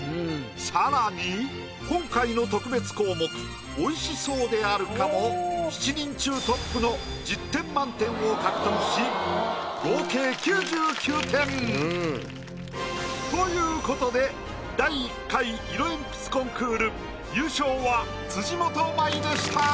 更に今回の特別項目美味しそうであるかも７人中トップの１０点満点を獲得し合計９９点！ということで第１回色鉛筆コンクール優勝は辻元舞でした！